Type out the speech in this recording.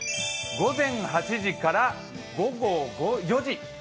午前８時から午後４時。